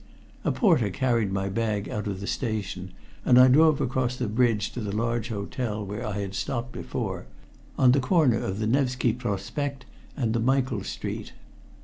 A porter carried my bag out of the station, and I drove across the bridge to the large hotel where I had stopped before, the Europe, on the corner of the Nevski Prospect and the Michael Street.